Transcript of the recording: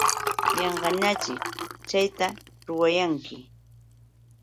Yanqañaćhik chayta ruwayanki.